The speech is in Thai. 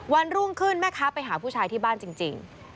วันรุ่งขึ้นแม่ค้าไปหาผู้ชายที่บ้านจริง